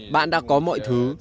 bạn đã có mọi thứ